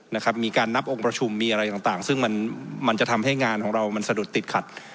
นะครับมีการนับองค์ประชุมมีอะไรต่างต่างซึ่งมันมันจะทำให้งานของเรามันสะดุดติดขัด